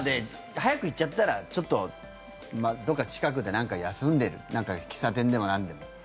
早く行っちゃったらどこか近くで休んでる喫茶店でもなんでも。